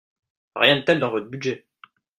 Rien de tel dans votre budget